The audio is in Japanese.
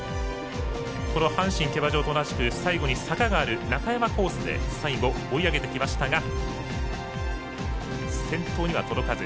この阪神競馬場と同じく最後に坂がある中山コースで最後、追い上げてきましたが先頭には届かず。